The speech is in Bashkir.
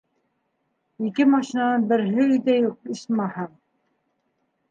- Ике машинаның береһе өйҙә юҡ, исмаһам...